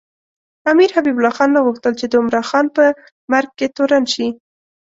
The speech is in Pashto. امیر حبیب الله خان نه غوښتل چې د عمراخان په مرګ کې تورن شي.